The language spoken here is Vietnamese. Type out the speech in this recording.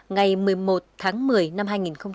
ngày một mươi một tháng một mươi năm hai nghìn một mươi chín